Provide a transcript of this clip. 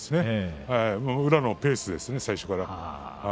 宇良のペースですね、最初から。